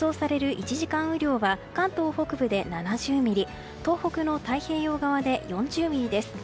１時間雨量は関東北部で７０ミリ東北の太平洋側で４０ミリです。